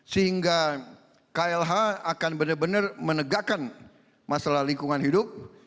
sehingga klh akan benar benar menegakkan masalah lingkungan hidup